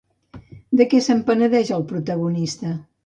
De què se'n penedeix el protagonista?